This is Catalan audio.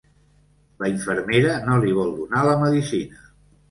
La infermera no li vol donar la medicina.